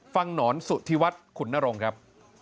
หนอนสุธิวัฒน์ขุนนรงค์ครับ